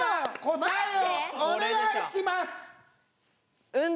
答えをおねがいします！